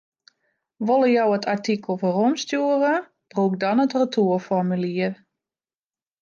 Wolle jo it artikel weromstjoere, brûk dan it retoerformulier.